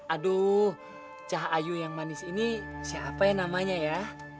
aduh cahayu yang manis ini siapa ya namanya ya